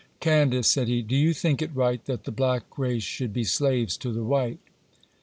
'Candace,' said he, 'do you think it right that the black race should be slaves to the white?